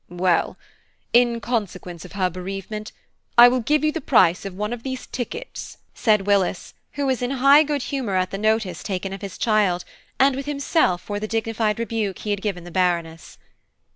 "Well, in consequence of her bereavement, I will give you the price of one of these tickets," said Willis, who was in high good humour at the notice taken of his child, and with himself for the dignified rebuke he had given the Baroness.